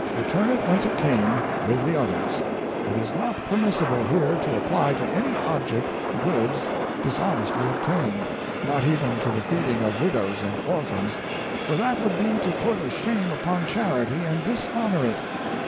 Return it whence it came, with the others. It is not permissible, here, to apply to any object goods dishonestly obtained — not even to the feeding of widows and orphans, for that would be to put a shame upon charity and dishonor it."